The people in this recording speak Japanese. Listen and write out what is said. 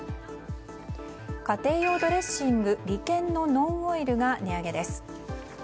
家庭用ドレッシングリケンのノンオイルが値上げです。